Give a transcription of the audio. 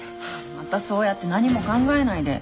またそうやって何も考えないで。